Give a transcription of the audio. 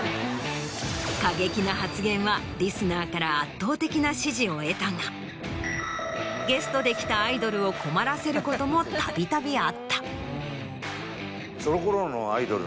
過激な発言はリスナーから圧倒的な支持を得たがゲストで来たアイドルを困らせることもたびたびあった。